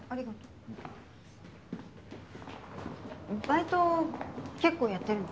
バイト結構やってるの？